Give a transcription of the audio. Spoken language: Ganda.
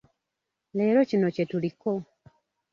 Leero kino kye tuliko.